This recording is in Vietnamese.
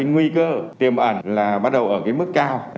nguy cơ tiềm ẩn là bắt đầu ở mức cao